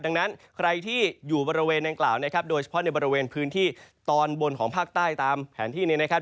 ดังนั้นใครที่อยู่บริเวณดังกล่าวนะครับโดยเฉพาะในบริเวณพื้นที่ตอนบนของภาคใต้ตามแผนที่เนี่ยนะครับ